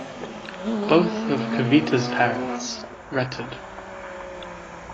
Both of Kavita's parents, Retd.